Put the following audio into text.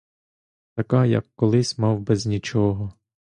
Така, як колись мав без нічого.